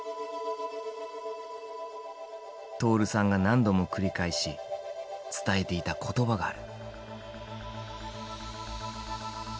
徹さんが何度も繰り返し伝えていた言葉がある。